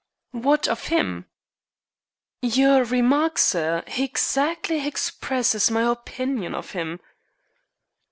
"What of him?" "Your remark, sir, hexactly hexpresses my hopinion of 'im."